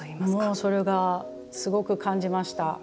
もうそれがすごく感じました。